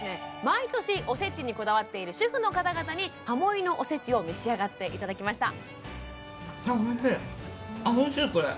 毎年おせちにこだわっている主婦の方々にカモ井のおせちを召し上がっていただきました